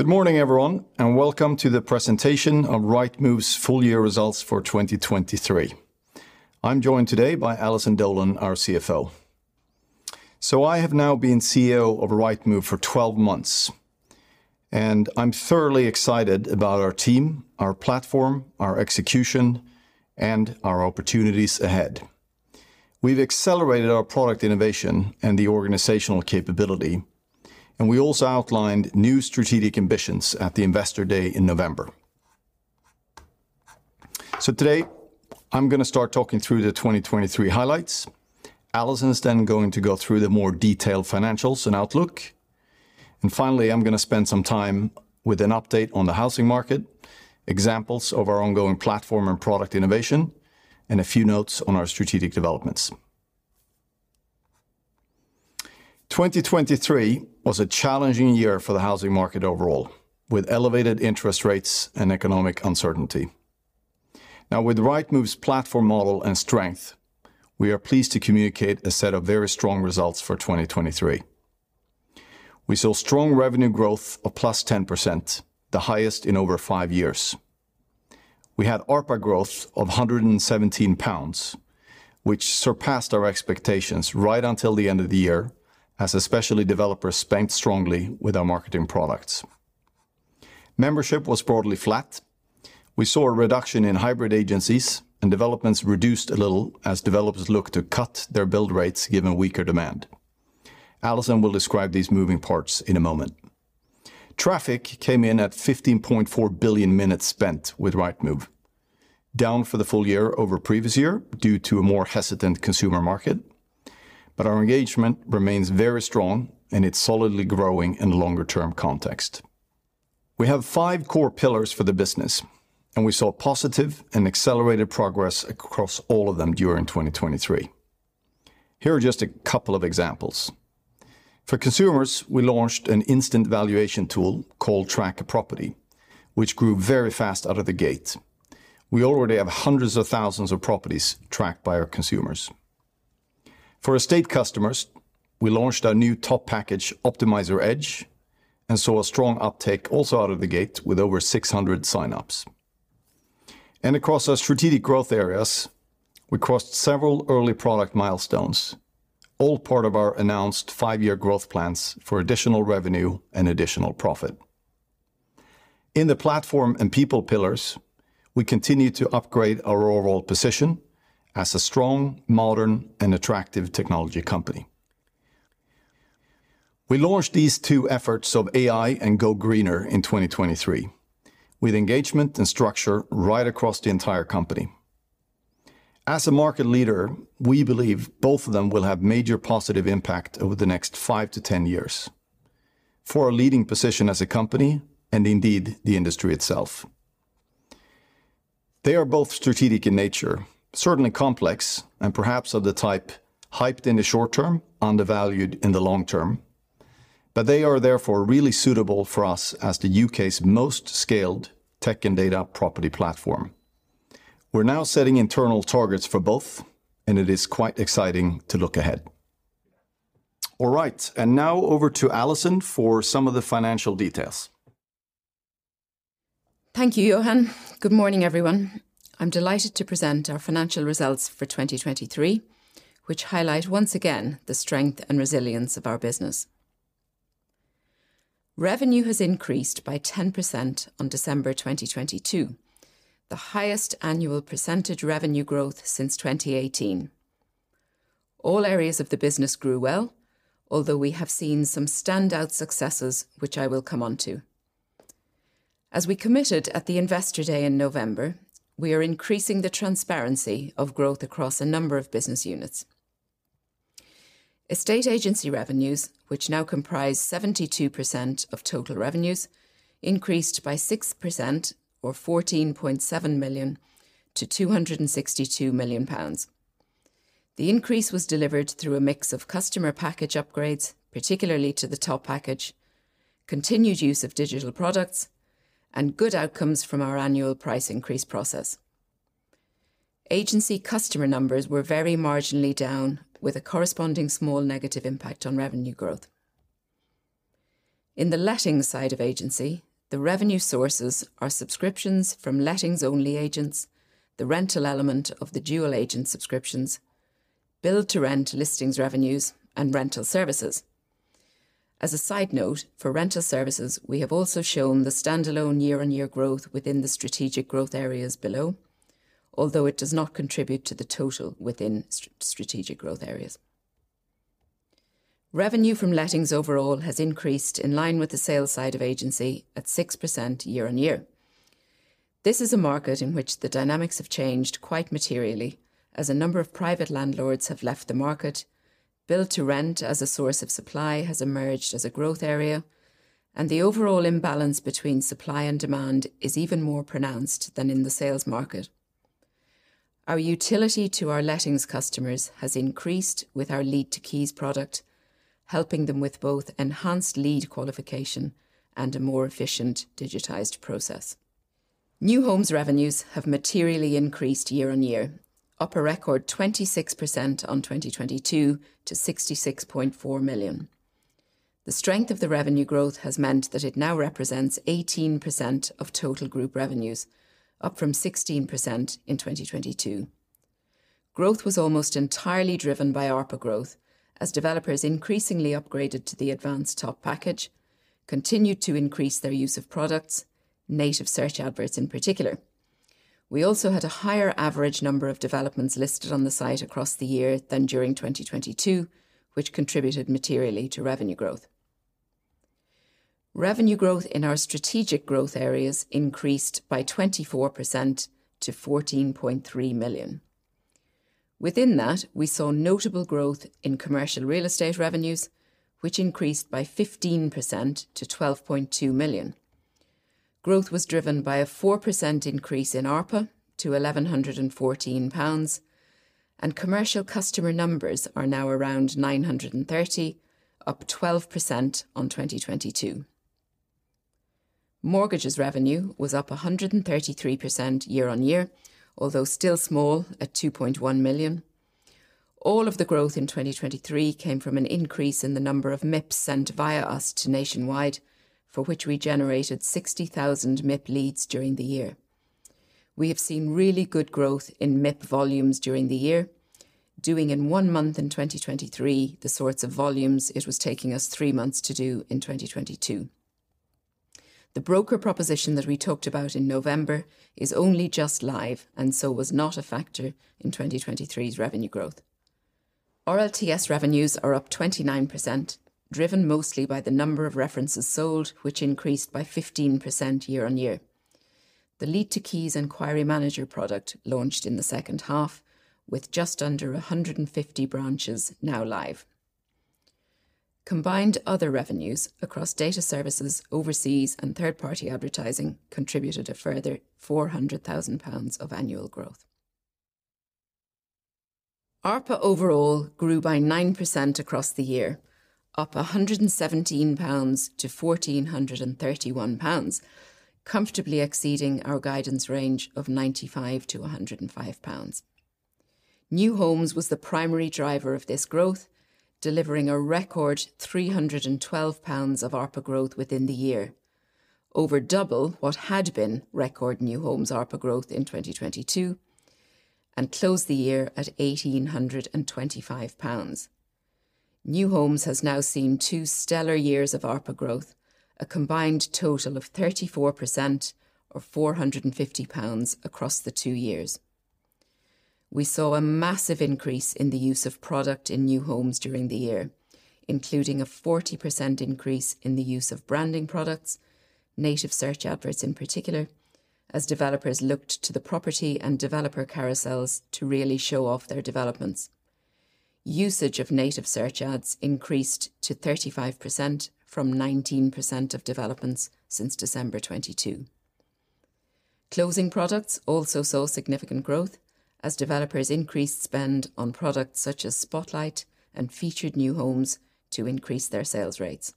Good morning, everyone, and welcome to the presentation of Rightmove's full-year results for 2023. I'm joined today by Alison Dolan, our CFO. I have now been CEO of Rightmove for 12 months, and I'm thoroughly excited about our team, our platform, our execution, and our opportunities ahead. We've accelerated our product innovation and the organizational capability, and we also outlined new strategic ambitions at the Investor Day in November. Today, I'm going to start talking through the 2023 highlights. Alison is then going to go through the more detailed financials and outlook. Finally, I'm going to spend some time with an update on the housing market, examples of our ongoing platform and product innovation, and a few notes on our strategic developments. 2023 was a challenging year for the housing market overall, with elevated interest rates and economic uncertainty. Now, with Rightmove's platform model and strength, we are pleased to communicate a set of very strong results for 2023. We saw strong revenue growth of +10%, the highest in over five years. We had ARPA growth of 117 pounds, which surpassed our expectations right until the end of the year, as especially developers spent strongly with our marketing products. Membership was broadly flat. We saw a reduction in hybrid agencies, and developments reduced a little as developers looked to cut their build rates given weaker demand. Alison will describe these moving parts in a moment. Traffic came in at 15.4 billion minutes spent with Rightmove, down for the full year over previous year due to a more hesitant consumer market. But our engagement remains very strong, and it's solidly growing in the longer-term context. We have five core pillars for the business, and we saw positive and accelerated progress across all of them during 2023. Here are just a couple of examples. For consumers, we launched an instant valuation tool called Track a Property, which grew very fast out of the gate. We already have hundreds of thousands of properties tracked by our consumers. For estate customers, we launched our new top package, Optimiser Edge, and saw a strong uptake also out of the gate with over 600 sign-ups. Across our strategic growth areas, we crossed several early product milestones, all part of our announced five-year growth plans for additional revenue and additional profit. In the platform and people pillars, we continue to upgrade our overall position as a strong, modern, and attractive technology company. We launched these two efforts of AI and Go Greener in 2023, with engagement and structure right across the entire company. As a market leader, we believe both of them will have major positive impact over the next five to10 years for our leading position as a company and indeed the industry itself. They are both strategic in nature, certainly complex, and perhaps of the type hyped in the short term, undervalued in the long term. But they are therefore really suitable for us as the U.K.'s most scaled tech and data property platform. We're now setting internal targets for both, and it is quite exciting to look ahead. All right, and now over to Alison for some of the financial details. Thank you, Johan. Good morning, everyone. I'm delighted to present our financial results for 2023, which highlight once again the strength and resilience of our business. Revenue has increased by 10% on December 2022, the highest annual percentage revenue growth since 2018. All areas of the business grew well, although we have seen some standout successes, which I will come onto. As we committed at the Investor Day in November, we are increasing the transparency of growth across a number of business units. Estate agency revenues, which now comprise 72% of total revenues, increased by 6%, or 14.7 million, to 262 million pounds. The increase was delivered through a mix of customer package upgrades, particularly to the top package, continued use of digital products, and good outcomes from our annual price increase process. Agency customer numbers were very marginally down, with a corresponding small negative impact on revenue growth. In the lettings side of agency, the revenue sources are subscriptions from lettings-only agents, the rental element of the dual-agent subscriptions, build-to-rent listings revenues, and rental services. As a side note, for rental services, we have also shown the standalone year-over-year growth within the strategic growth areas below, although it does not contribute to the total within strategic growth areas. Revenue from lettings overall has increased in line with the sales side of agency at 6% year-over-year. This is a market in which the dynamics have changed quite materially, as a number of private landlords have left the market, build-to-rent as a source of supply has emerged as a growth area, and the overall imbalance between supply and demand is even more pronounced than in the sales market. Our utility to our lettings customers has increased with our Lead to Keys product, helping them with both enhanced lead qualification and a more efficient digitized process. New homes revenues have materially increased year-on-year, up a record 26% on 2022 to 66.4 million. The strength of the revenue growth has meant that it now represents 18% of total group revenues, up from 16% in 2022. Growth was almost entirely driven by ARPA growth, as developers increasingly upgraded to the advanced top package, continued to increase their use of products, Native Search Ads in particular. We also had a higher average number of developments listed on the site across the year than during 2022, which contributed materially to revenue growth. Revenue growth in our strategic growth areas increased by 24% to 14.3 million. Within that, we saw notable growth in commercial real estate revenues, which increased by 15% to 12.2 million. Growth was driven by a 4% increase in ARPA to 1,114 pounds, and commercial customer numbers are now around 930, up 12% on 2022. Mortgages revenue was up 133% year-on-year, although still small at 2.1 million. All of the growth in 2023 came from an increase in the number of MIPs sent via us nationwide, for which we generated 60,000 MIP leads during the year. We have seen really good growth in MIP volumes during the year, doing in one month in 2023 the sorts of volumes it was taking us three months to do in 2022. The broker proposition that we talked about in November is only just live and so was not a factor in 2023's revenue growth. RLTS revenues are up 29%, driven mostly by the number of references sold, which increased by 15% year-on-year. Lead to Keys Enquiry Manager product launched in the second half, with just under 150 branches now live. Combined other revenues across data services, overseas, and third-party advertising contributed a further 400,000 pounds of annual growth. ARPA overall grew by 9% across the year, up 117-1,431 pounds, comfortably exceeding our guidance range of 95-105 pounds. New Homes was the primary driver of this growth, delivering a record 312 pounds of ARPA growth within the year, over double what had been record New Homes ARPA growth in 2022, and closed the year at 1,825 pounds. New Homes has now seen two stellar years of ARPA growth, a combined total of 34%, or 450 pounds, across the two years. We saw a massive increase in the use of product in new homes during the year, including a 40% increase in the use of branding products, Native Search Ads in particular, as developers looked to the property and developer carousels to really show off their developments. Usage of Native Search Ads increased to 35% from 19% of developments since December 2022. Closing products also saw significant growth, as developers increased spend on products such as Spotlight and Featured New Homes to increase their sales rates.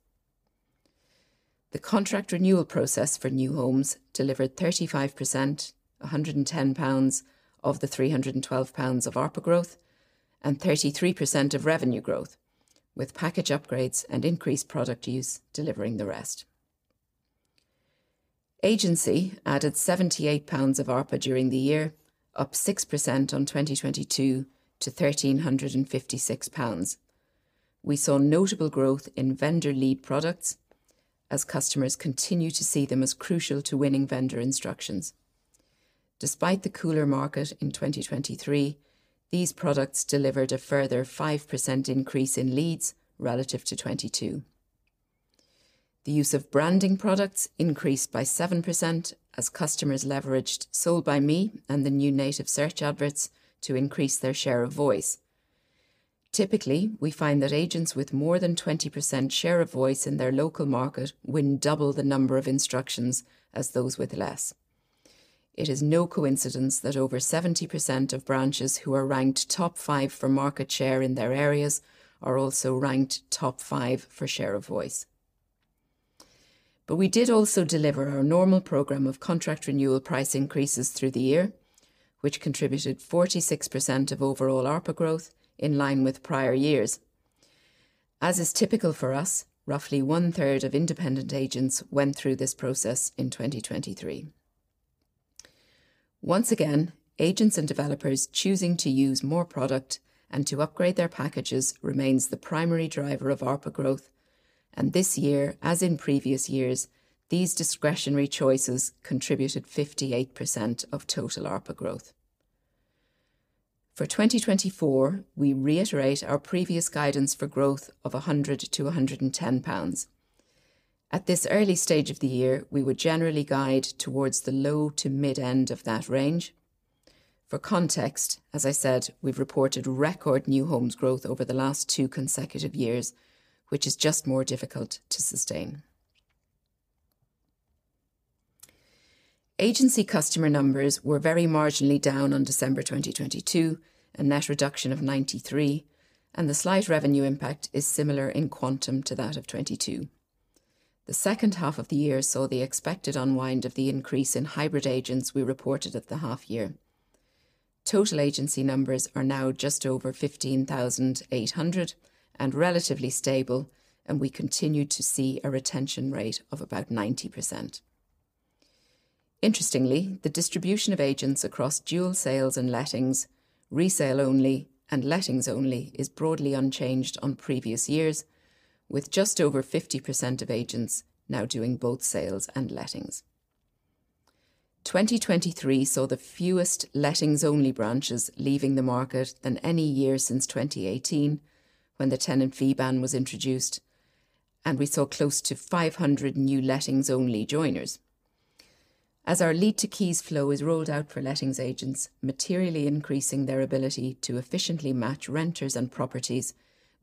The contract renewal process for new homes delivered 35%, 110 pounds, of the 312 pounds of ARPA growth and 33% of revenue growth, with package upgrades and increased product use delivering the rest. Agency added 78 pounds of ARPA during the year, up 6% on 2022 to 1,356 pounds. We saw notable growth in vendor lead products, as customers continue to see them as crucial to winning vendor instructions. Despite the cooler market in 2023, these products delivered a further 5% increase in leads relative to 2022. The use of branding products increased by 7%, as customers leveraged Sold by Me and the new Native Search Ads to increase their share of voice. Typically, we find that agents with more than 20% share of voice in their local market win double the number of instructions as those with less. It is no coincidence that over 70% of branches who are ranked top five for market share in their areas are also ranked top five for share of voice. But we did also deliver our normal program of contract renewal price increases through the year, which contributed 46% of overall ARPA growth in line with prior years. As is typical for us, roughly one-third of independent agents went through this process in 2023. Once again, agents and developers choosing to use more product and to upgrade their packages remains the primary driver of ARPA growth, and this year, as in previous years, these discretionary choices contributed 58% of total ARPA growth. For 2024, we reiterate our previous guidance for growth of 100-110 pounds. At this early stage of the year, we would generally guide towards the low to mid-end of that range. For context, as I said, we've reported record new homes growth over the last two consecutive years, which is just more difficult to sustain. Agency customer numbers were very marginally down on December 2022, a net reduction of 93, and the slight revenue impact is similar in quantum to that of 2022. The second half of the year saw the expected unwind of the increase in hybrid agents we reported at the half-year. Total agency numbers are now just over 15,800 and relatively stable, and we continue to see a retention rate of about 90%. Interestingly, the distribution of agents across dual sales and lettings, resale-only, and lettings-only is broadly unchanged on previous years, with just over 50% of agents now doing both sales and lettings. 2023 saw the fewest lettings-only branches leaving the market than any year since 2018, when the tenant fee ban was introduced, and we saw close to 500 new lettings-only joiners. As our Lead to Keys flow is rolled out for lettings agents, materially increasing their ability to efficiently match renters and properties,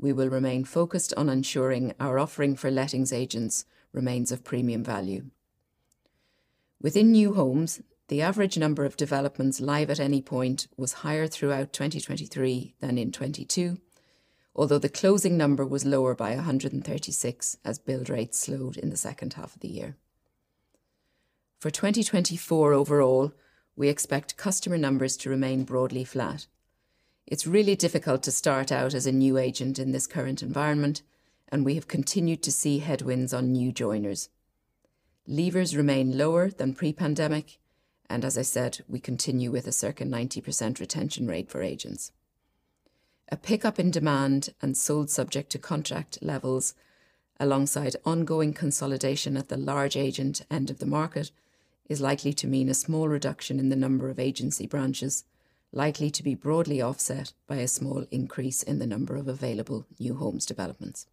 we will remain focused on ensuring our offering for lettings agents remains of premium value. Within new homes, the average number of developments live at any point was higher throughout 2023 than in 2022, although the closing number was lower by 136 as build rates slowed in the second half of the year. For 2024 overall, we expect customer numbers to remain broadly flat. It's really difficult to start out as a new agent in this current environment, and we have continued to see headwinds on new joiners. Leavers remain lower than pre-pandemic, and as I said, we continue with a circa 90% retention rate for agents. A pickup in demand and sold subject-to-contract levels, alongside ongoing consolidation at the large agent end of the market, is likely to mean a small reduction in the number of agency branches, likely to be broadly offset by a small increase in the number of available new homes developments.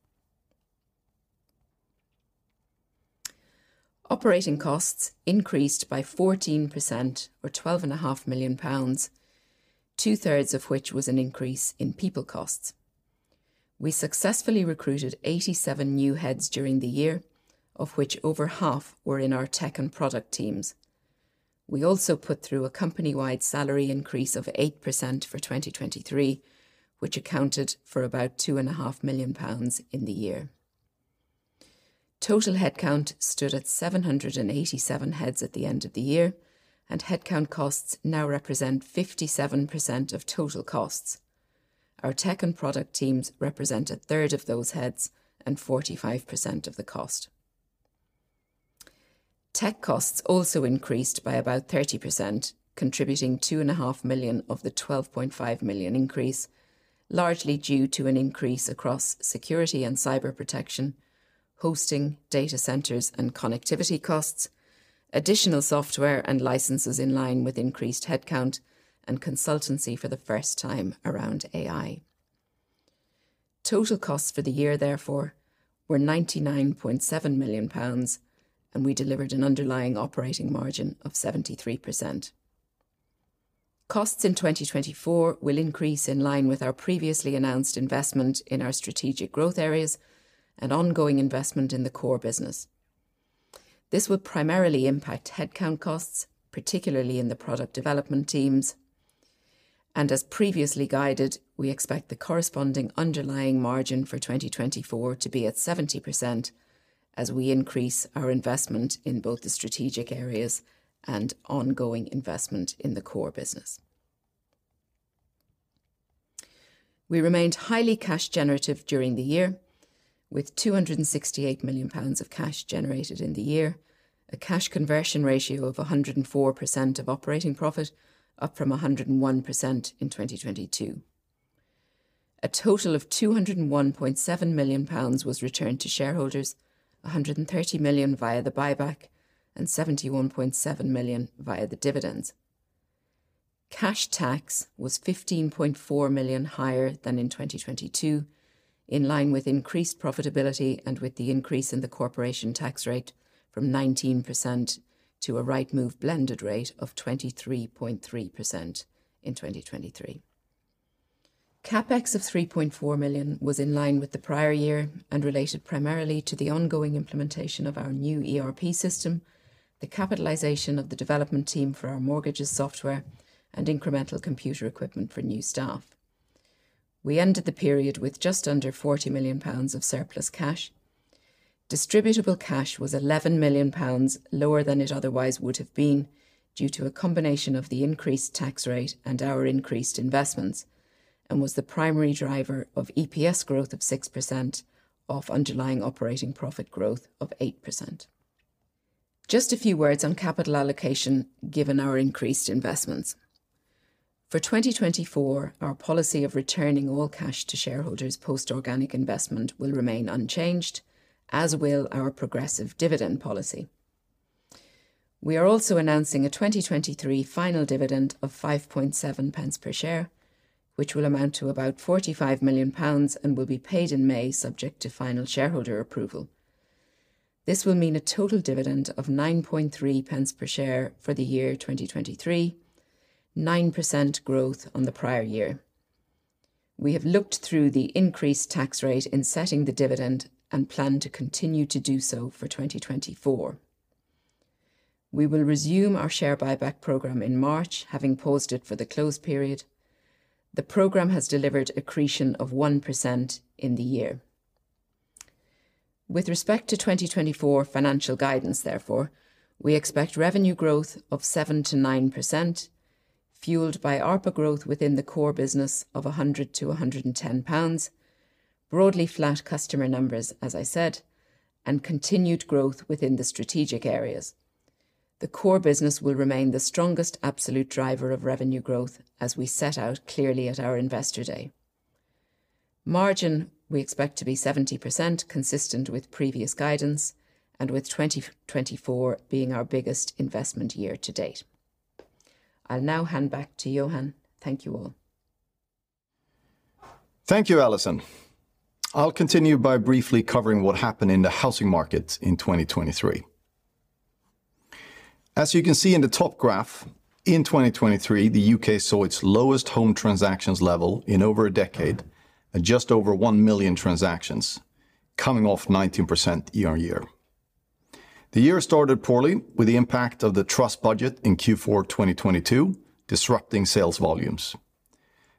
Operating costs increased by 14%, or 12.5 million pounds, two-thirds of which was an increase in people costs. We successfully recruited 87 new heads during the year, of which over half were in our tech and product teams. We also put through a company-wide salary increase of 8% for 2023, which accounted for about 2.5 million pounds in the year. Total headcount stood at 787 heads at the end of the year, and headcount costs now represent 57% of total costs. Our tech and product teams represent a third of those heads and 45% of the cost. Tech costs also increased by about 30%, contributing 2.5 million of the 12.5 million increase, largely due to an increase across security and cyber protection, hosting, data centers, and connectivity costs, additional software and licenses in line with increased headcount, and consultancy for the first time around AI. Total costs for the year, therefore, were 99.7 million pounds, and we delivered an underlying operating margin of 73%. Costs in 2024 will increase in line with our previously announced investment in our strategic growth areas and ongoing investment in the core business. This will primarily impact headcount costs, particularly in the product development teams. As previously guided, we expect the corresponding underlying margin for 2024 to be at 70% as we increase our investment in both the strategic areas and ongoing investment in the core business. We remained highly cash-generative during the year, with 268 million pounds of cash generated in the year, a cash conversion ratio of 104% of operating profit, up from 101% in 2022. A total of 201.7 million pounds was returned to shareholders, 130 million via the buyback, and 71.7 million via the dividends. Cash tax was 15.4 million higher than in 2022, in line with increased profitability and with the increase in the corporation tax rate from 19% to a Rightmove blended rate of 23.3% in 2023. CapEx of 3.4 million was in line with the prior year and related primarily to the ongoing implementation of our new ERP system, the capitalisation of the development team for our mortgages software, and incremental computer equipment for new staff. We ended the period with just under 40 million pounds of surplus cash. Distributable cash was 11 million pounds lower than it otherwise would have been due to a combination of the increased tax rate and our increased investments, and was the primary driver of EPS growth of 6% off underlying operating profit growth of 8%. Just a few words on capital allocation given our increased investments. For 2024, our policy of returning all cash to shareholders post-organic investment will remain unchanged, as will our progressive dividend policy. We are also announcing a 2023 final dividend of 5.7 pence per share, which will amount to about 45 million pounds and will be paid in May subject to final shareholder approval. This will mean a total dividend of 9.3 pence per share for the year 2023, 9% growth on the prior year. We have looked through the increased tax rate in setting the dividend and plan to continue to do so for 2024. We will resume our share buyback program in March, having paused it for the closed period. The program has delivered accretion of 1% in the year. With respect to 2024 financial guidance, therefore, we expect revenue growth of 7%-9%, fueled by ARPA growth within the core business of 100-110 pounds, broadly flat customer numbers, as I said, and continued growth within the strategic areas. The core business will remain the strongest absolute driver of revenue growth as we set out clearly at our investor day. Margin we expect to be 70%, consistent with previous guidance, and with 2024 being our biggest investment year to date. I'll now hand back to Johan. Thank you all. Thank you, Alison. I'll continue by briefly covering what happened in the housing market in 2023. As you can see in the top graph, in 2023, the U.K. saw its lowest home transactions level in over a decade at just over 1 million transactions, coming off 19% year-on-year. The year started poorly with the impact of the Truss budget in Q4 2022 disrupting sales volumes.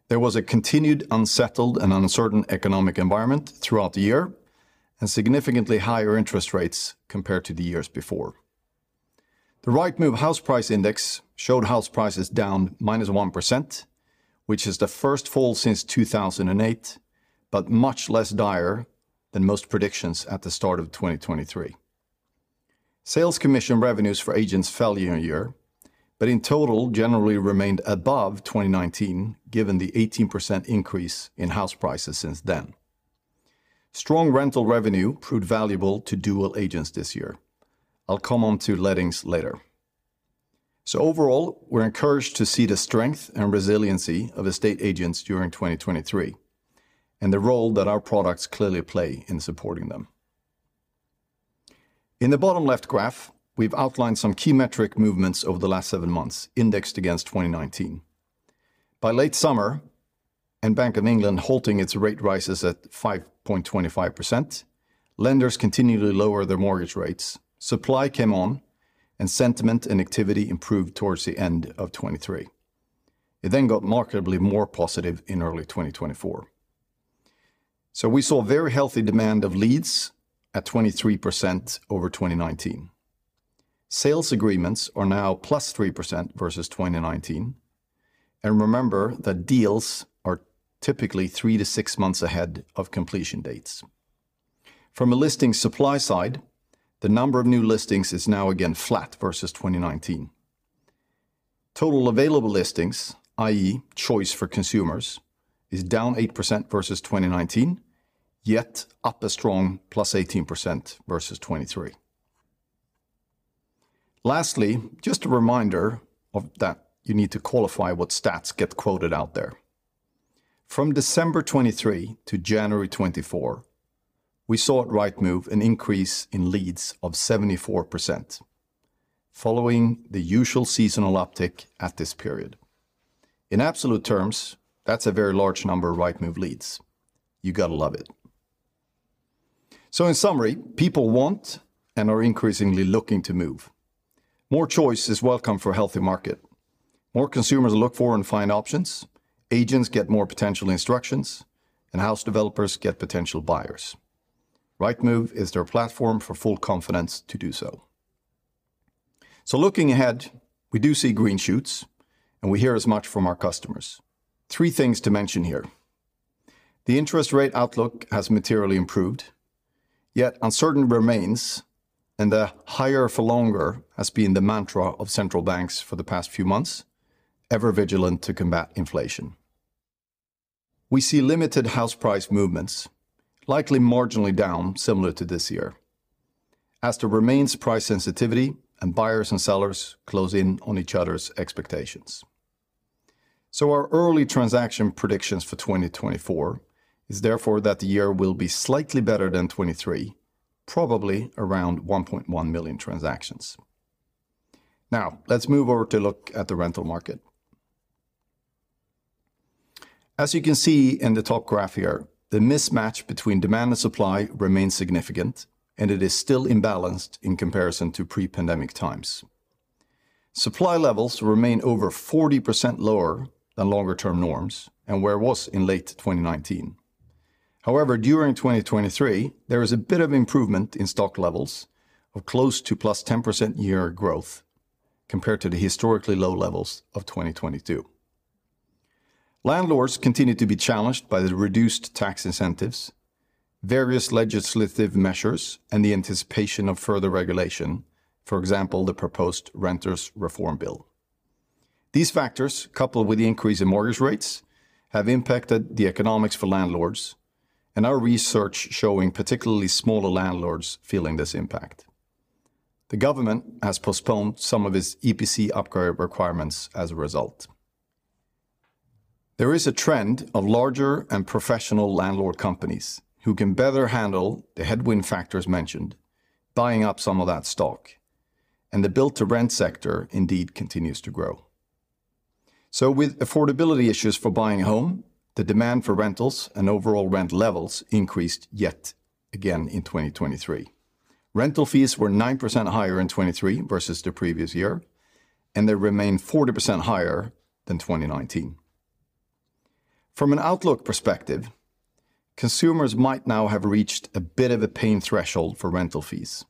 There was a continued unsettled and uncertain economic environment throughout the year and significantly higher interest rates compared to the years before. The Rightmove House Price Index showed house prices down -1%, which is the first fall since 2008, but much less dire than most predictions at the start of 2023. Sales Commission revenues for agents fell year-over-year, but in total generally remained above 2019 given the 18% increase in house prices since then. Strong rental revenue proved valuable to dual agents this year. I'll come on to lettings later. So overall, we're encouraged to see the strength and resiliency of estate agents during 2023 and the role that our products clearly play in supporting them. In the bottom left graph, we've outlined some key metric movements over the last seven months indexed against 2019. By late summer and Bank of England halting its rate rises at 5.25%, lenders continued to lower their mortgage rates, supply came on, and sentiment and activity improved towards the end of 2023. It then got markedly more positive in early 2024. So we saw very healthy demand of leads at 23% over 2019. Sales agreements are now +3% versus 2019, and remember that deals are typically three to six months ahead of completion dates. From a listing supply side, the number of new listings is now again flat versus 2019. Total available listings, i.e., choice for consumers, is down -8% versus 2019, yet up a strong +18% versus 2023. Lastly, just a reminder of that you need to qualify what stats get quoted out there. From December 2023 to January 2024, we saw at Rightmove an increase in leads of 74%, following the usual seasonal uptick at this period. In absolute terms, that's a very large number of Rightmove leads. You've got to love it. So in summary, people want and are increasingly looking to move. More choice is welcome for a healthy market. More consumers look for and find options. Agents get more potential instructions, and house developers get potential buyers. Rightmove is their platform for full confidence to do so. So looking ahead, we do see green shoots, and we hear as much from our customers. Three things to mention here. The interest rate outlook has materially improved, yet uncertainty remains, and the "higher for longer" has been the mantra of central banks for the past few months, ever vigilant to combat inflation. We see limited house price movements, likely marginally down similar to this year, as there remains price sensitivity and buyers and sellers close in on each other's expectations. So our early transaction predictions for 2024 is therefore that the year will be slightly better than 2023, probably around 1.1 million transactions. Now, let's move over to look at the rental market. As you can see in the top graph here, the mismatch between demand and supply remains significant, and it is still imbalanced in comparison to pre-pandemic times. Supply levels remain over 40% lower than longer-term norms and where it was in late 2019. However, during 2023, there was a bit of improvement in stock levels of close to +10% year-on-year growth compared to the historically low levels of 2022. Landlords continue to be challenged by the reduced tax incentives, various legislative measures, and the anticipation of further regulation, for example, the proposed Renters' Reform Bill. These factors, coupled with the increase in mortgage rates, have impacted the economics for landlords, and our research is showing particularly smaller landlords feeling this impact. The government has postponed some of its EPC upgrade requirements as a result. There is a trend of larger and professional landlord companies who can better handle the headwind factors mentioned, buying up some of that stock, and the Build-to-Rent sector indeed continues to grow. So with affordability issues for buying a home, the demand for rentals and overall rent levels increased yet again in 2023. Rental fees were 9% higher in 2023 versus the previous year, and they remain 40% higher than 2019. From an outlook perspective, consumers might now have reached a bit of a pain threshold for rental fees.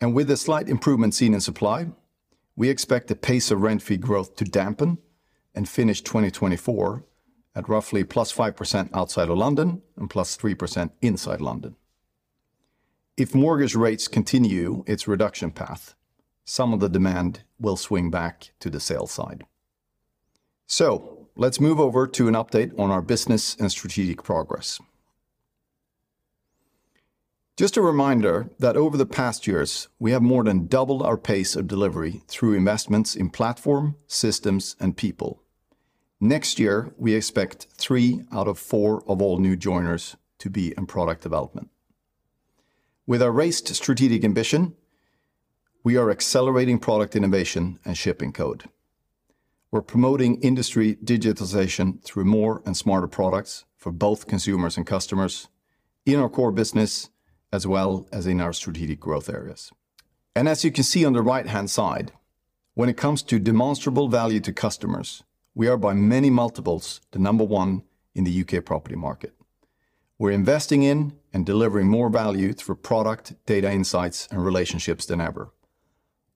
With a slight improvement seen in supply, we expect the pace of rent fee growth to dampen and finish 2024 at roughly +5% outside of London and +3% inside London. If mortgage rates continue its reduction path, some of the demand will swing back to the sale side. Let's move over to an update on our business and strategic progress. Just a reminder that over the past years, we have more than doubled our pace of delivery through investments in platform, systems, and people. Next year, we expect three out of four of all new joiners to be in product development. With our raised strategic ambition, we are accelerating product innovation and shipping code. We're promoting industry digitization through more and smarter products for both consumers and customers in our core business as well as in our strategic growth areas. And as you can see on the right-hand side, when it comes to demonstrable value to customers, we are by many multiples the number one in the U.K. property market. We're investing in and delivering more value through product, data insights, and relationships than ever,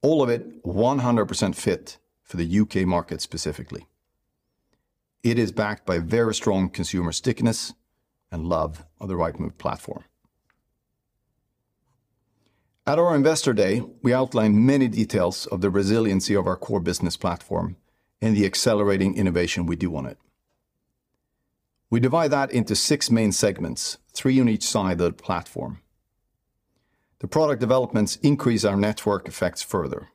all of it 100% fit for the UK market specifically. It is backed by very strong consumer stickiness and love of the Rightmove platform. At our investor day, we outlined many details of the resiliency of our core business platform and the accelerating innovation we do on it. We divide that into six main segments, three on each side of the platform. The product developments increase our network effects further.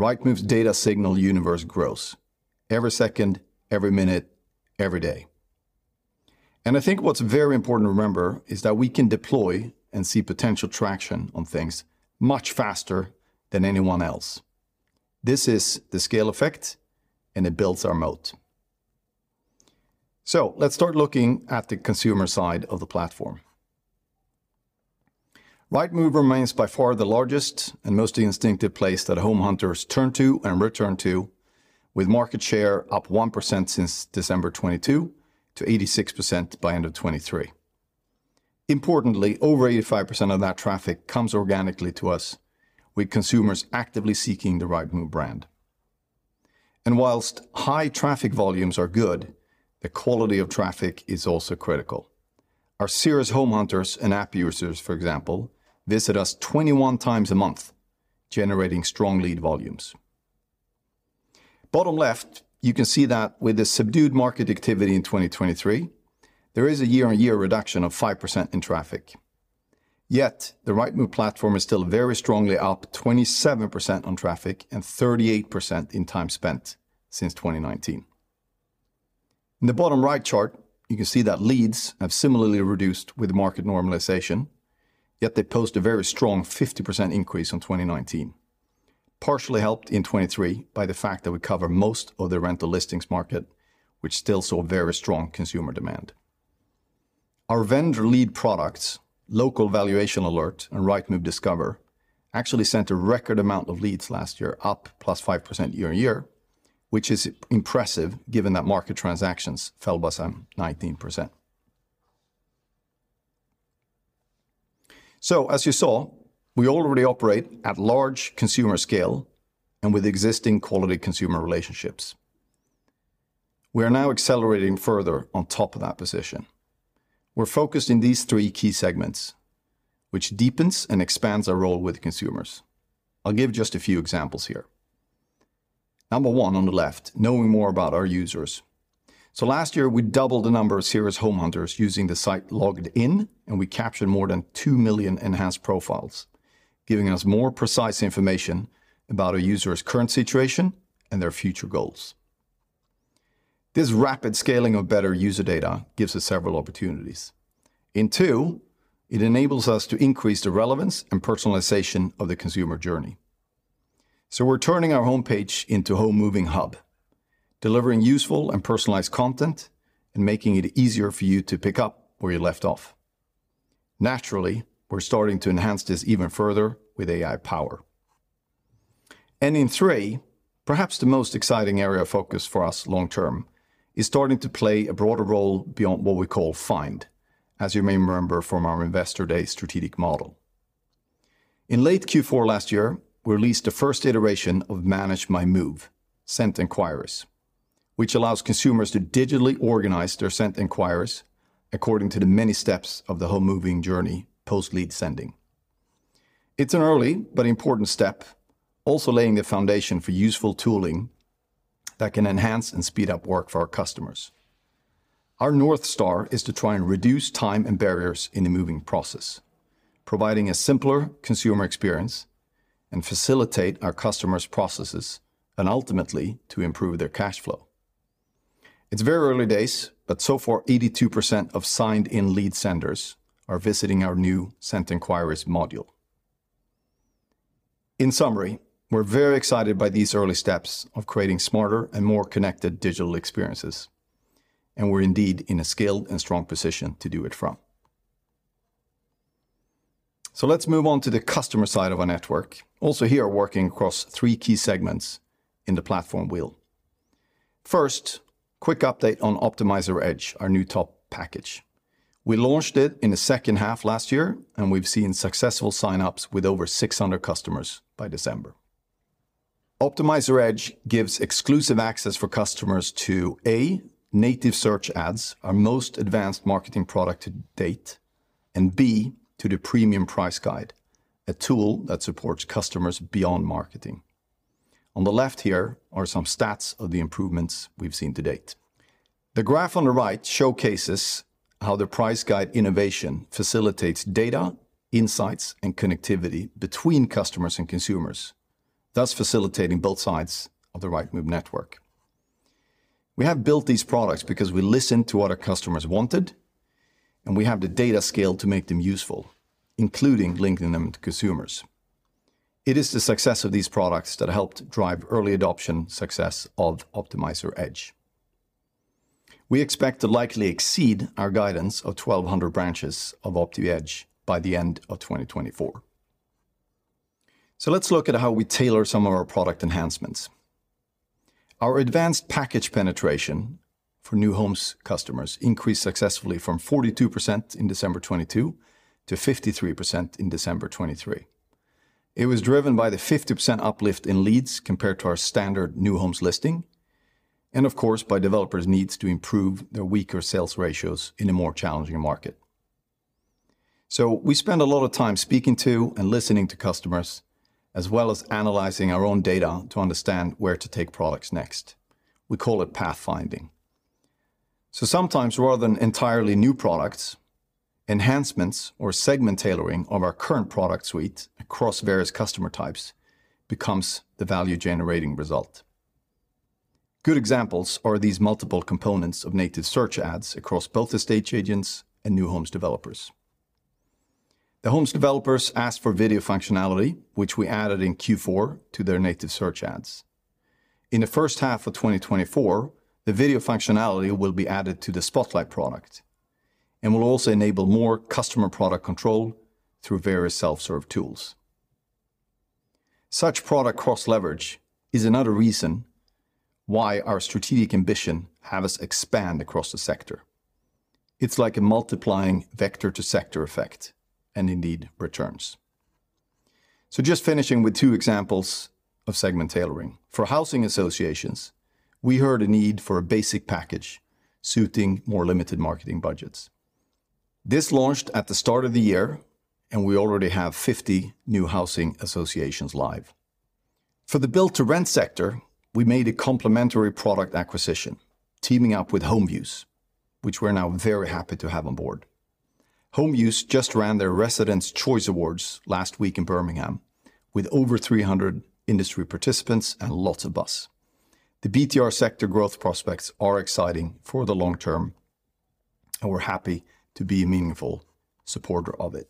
Rightmove's data signal universe grows every second, every minute, every day. I think what's very important to remember is that we can deploy and see potential traction on things much faster than anyone else. This is the scale effect, and it builds our moat. Let's start looking at the consumer side of the platform. Rightmove remains by far the largest and most instinctive place that home hunters turn to and return to, with market share up 1% since December 2022 to 86% by end of 2023. Importantly, over 85% of that traffic comes organically to us with consumers actively seeking the Rightmove brand. Whilst high traffic volumes are good, the quality of traffic is also critical. Our serious home hunters and app users, for example, visit us 21 times a month, generating strong lead volumes. Bottom left, you can see that with the subdued market activity in 2023, there is a year-on-year reduction of 5% in traffic. Yet the Rightmove platform is still very strongly up 27% on traffic and 38% in time spent since 2019. In the bottom right chart, you can see that leads have similarly reduced with market normalisation, yet they post a very strong 50% increase in 2019, partially helped in 2023 by the fact that we cover most of the rental listings market, which still saw very strong consumer demand. Our vendor lead products, Local Valuation Alert and Rightmove Discover, actually sent a record amount of leads last year up plus 5% year-on-year, which is impressive given that market transactions fell by some 19%. So as you saw, we already operate at large consumer scale and with existing quality consumer relationships. We are now accelerating further on top of that position. We're focused in these three key segments, which deepens and expands our role with consumers. I'll give just a few examples here. Number one on the left, knowing more about our users. So last year, we doubled the number of serious home hunters using the site logged in, and we captured more than 2 million enhanced profiles, giving us more precise information about our users' current situation and their future goals. This rapid scaling of better user data gives us several opportunities. In two, it enables us to increase the relevance and personalization of the consumer journey. So we're turning our homepage into a homemoving hub, delivering useful and personalized content and making it easier for you to pick up where you left off. Naturally, we're starting to enhance this even further with AI power. And in three, perhaps the most exciting area of focus for us long-term is starting to play a broader role beyond what we call FIND, as you may remember from our investor day strategic model. In late Q4 last year, we released the first iteration of Manage My Move, Sent Enquiries, which allows consumers to digitally organize their sent enquiries according to the many steps of the homemoving journey post-lead sending. It's an early but important step, also laying the foundation for useful tooling that can enhance and speed up work for our customers. Our north star is to try and reduce time and barriers in the moving process, providing a simpler consumer experience and facilitate our customers' processes and ultimately to improve their cash flow. It's very early days, but so far 82% of signed-in lead senders are visiting our new Sent Enquiries module. In summary, we're very excited by these early steps of creating smarter and more connected digital experiences, and we're indeed in a skilled and strong position to do it from. So let's move on to the customer side of our network. Also here working across three key segments in the platform wheel. First, quick update on Optimiser Edge, our new top package. We launched it in the second half last year, and we've seen successful sign-ups with over 600 customers by December. Optimiser Edge gives exclusive access for customers to, A, Native Search Ads, our most advanced marketing product to date, and B, to the Premium Price Guide, a tool that supports customers beyond marketing. On the left here are some stats of the improvements we've seen to date. The graph on the right showcases how the Price Guide innovation facilitates data, insights, and connectivity between customers and consumers, thus facilitating both sides of the Rightmove network. We have built these products because we listened to what our customers wanted, and we have the data scale to make them useful, including linking them to consumers. It is the success of these products that helped drive early adoption success of Optimiser Edge. We expect to likely exceed our guidance of 1,200 branches of OptiEdge by the end of 2024. So let's look at how we tailor some of our product enhancements. Our advanced package penetration for new homes customers increased successfully from 42% in December 2022 to 53% in December 2023. It was driven by the 50% uplift in leads compared to our standard new homes listing, and of course, by developers' needs to improve their weaker sales ratios in a more challenging market. So we spend a lot of time speaking to and listening to customers as well as analyzing our own data to understand where to take products next. We call it pathfinding. So sometimes, rather than entirely new products, enhancements or segment tailoring of our current product suite across various customer types becomes the value-generating result. Good examples are these multiple components of Native Search Ads across both estate agents and new homes developers. The homes developers asked for video functionality, which we added in Q4 to their Native Search Ads. In the first half of 2024, the video functionality will be added to the Spotlight product and will also enable more customer product control through various self-serve tools. Such product cross-leverage is another reason why our strategic ambition has expanded across the sector. It's like a multiplying vector-to-sector effect and indeed returns. So just finishing with two examples of segment tailoring. For housing associations, we heard a need for a basic package suiting more limited marketing budgets. This launched at the start of the year, and we already have 50 new housing associations live. For the Build-to-Rent sector, we made a complementary product acquisition, teaming up with HomeViews, which we're now very happy to have on board. HomeViews just ran their Residents' Choice Awards last week in Birmingham with over 300 industry participants and lots of buzz. The BTR sector growth prospects are exciting for the long term, and we're happy to be a meaningful supporter of it.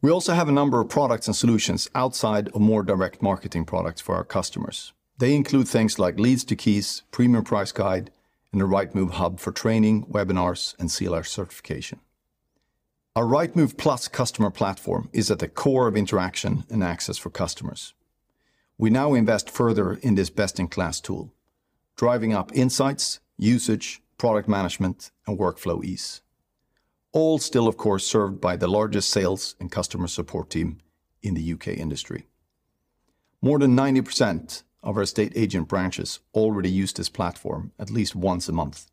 We also have a number of products and solutions outside of more direct marketing products for our customers. They include things like Lead to Keys, Premium Price Guide, and the Rightmove hub for training, webinars, and CELA certification. Our Rightmove Plus customer platform is at the core of interaction and access for customers. We now invest further in this best-in-class tool, driving up insights, usage, product management, and workflow ease, all still, of course, served by the largest sales and customer support team in the UK industry. More than 90% of our estate agent branches already use this platform at least once a month,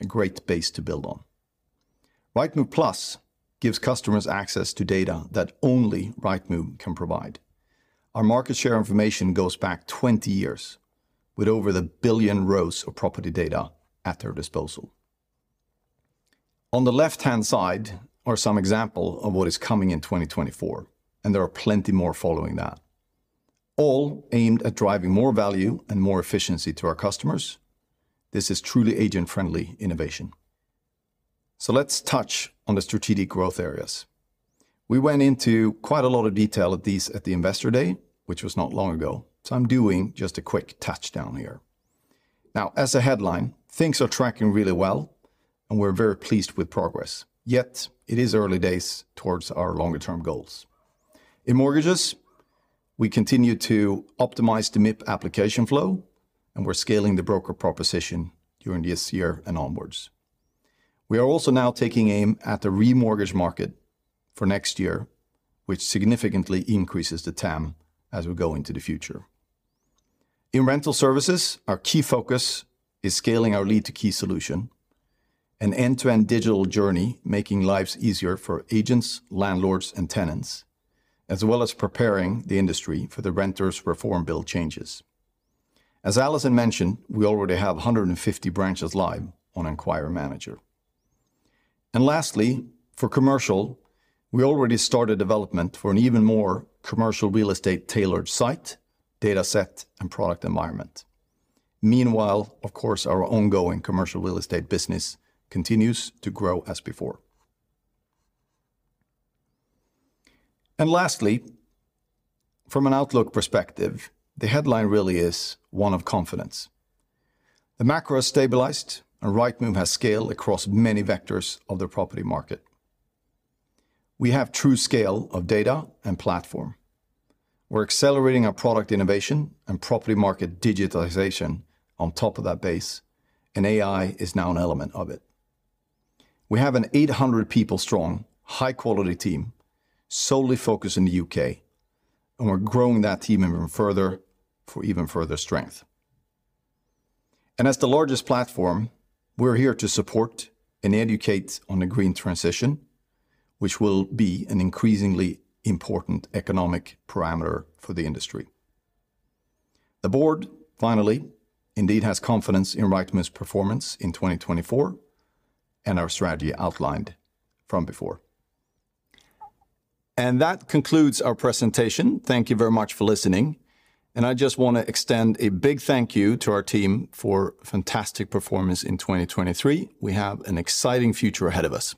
a great base to build on. Rightmove Plus gives customers access to data that only Rightmove can provide. Our market share information goes back 20 years, with over 1 billion rows of property data at their disposal. On the left-hand side are some examples of what is coming in 2024, and there are plenty more following that, all aimed at driving more value and more efficiency to our customers. This is truly agent-friendly innovation. So let's touch on the strategic growth areas. We went into quite a lot of detail at these at the investor day, which was not long ago, so I'm doing just a quick touchdown here. Now, as a headline, things are tracking really well, and we're very pleased with progress. Yet it is early days towards our longer-term goals. In mortgages, we continue to optimize the MIP application flow, and we're scaling the broker proposition during this year and onwards. We are also now taking aim at the re-mortgage market for next year, which significantly increases the TAM as we go into the future. In rental services, our key focus is scaling our Lead to Keys solution, an end-to-end digital journey making lives easier for agents, landlords, and tenants, as well as preparing the industry for the Renters' Reform Bill changes. As Alison mentioned, we already have 150 branches live on Enquiry Manager. And lastly, for commercial, we already started development for an even more commercial real estate tailored site, dataset, and product environment. Meanwhile, of course, our ongoing commercial real estate business continues to grow as before. And lastly, from an outlook perspective, the headline really is one of confidence. The macro has stabilized, and Rightmove has scale across many vectors of the property market. We have true scale of data and platform. We're accelerating our product innovation and property market digitalization on top of that base, and AI is now an element of it. We have an 800-people strong, high-quality team solely focused in the U.K., and we're growing that team even further for even further strength. As the largest platform, we're here to support and educate on the green transition, which will be an increasingly important economic parameter for the industry. The board, finally, indeed has confidence in Rightmove's performance in 2024 and our strategy outlined from before. That concludes our presentation. Thank you very much for listening. I just want to extend a big thank you to our team for fantastic performance in 2023. We have an exciting future ahead of us.